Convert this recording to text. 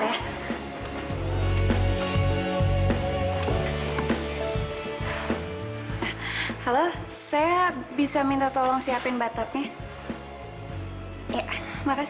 ini adalah pesakit yang sudah nyuruh kamu ngelakuin semua ini